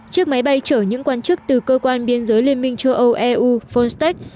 chiếc máy bay chở những quan chức từ cơ quan biên giới liên minh châu âu eu fronstec